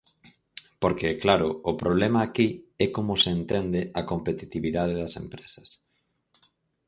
Porque, claro, o problema aquí é como se entende a competitividade das empresas.